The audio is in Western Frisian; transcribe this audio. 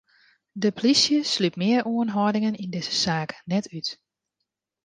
De polysje slút mear oanhâldingen yn dizze saak net út.